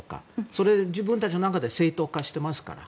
それを自分たちの中で正当化していますから。